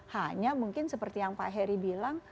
hanya mungkin seperti yang pak heri bilang